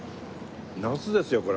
夏ですよこれ。